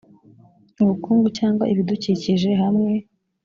ubukungu cyangwa ibidukikije hamwe